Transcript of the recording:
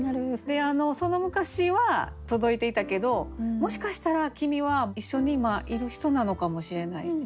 でその昔は届いていたけどもしかしたら君は一緒に今いる人なのかもしれない。